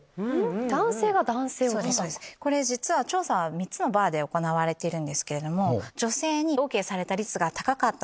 これ実は調査３つのバーで行われているんですけれども。